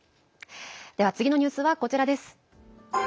では、次のニュースはこちらです。